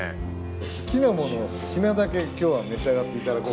好きなものを好きなだけ今日は召し上がっていただこう。